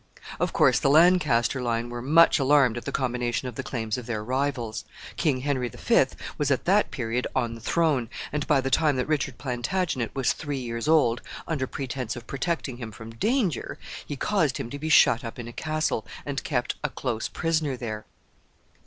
Of course, the Lancaster line were much alarmed at the combination of the claims of their rivals. King Henry the Fifth was at that period on the throne, and, by the time that Richard Plantagenet was three years old, under pretense of protecting him from danger, he caused him to be shut up in a castle, and kept a close prisoner there.